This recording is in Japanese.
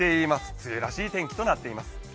梅雨らしい天気となっています。